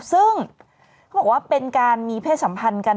ซึ่งเขาบอกว่าเป็นการมีเพศสัมพันธ์กัน